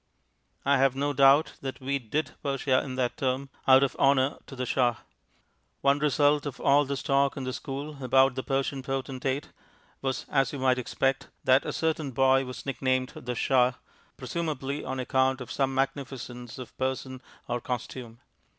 I have no doubt that we "did" Persia in that term, out of honour to the Shah. One result of all this talk in the school about the Persian Potentate was (as you might expect) that a certain boy was nicknamed "The Shah," presumably on account of some magnificence of person or costume.